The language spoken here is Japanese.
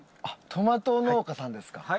あっトマト農家さんですか？